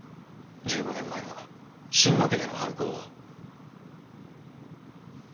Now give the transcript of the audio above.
１５年前の心野家での犯行を。